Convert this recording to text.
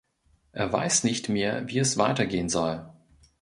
Er weiß nicht mehr, wie es weitergehen soll.